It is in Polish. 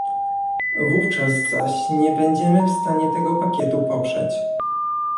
Wówczas zaś nie będziemy w stanie tego pakietu poprzeć